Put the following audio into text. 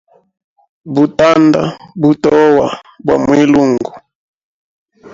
Butanda butoa bwa mwilungu.